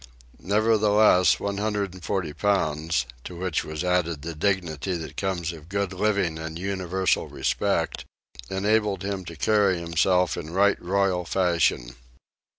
Nevertheless, one hundred and forty pounds, to which was added the dignity that comes of good living and universal respect, enabled him to carry himself in right royal fashion.